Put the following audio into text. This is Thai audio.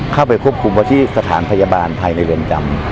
เข้าไปควบคุมไว้ที่สถานพยาบาลภายในเรือนจำ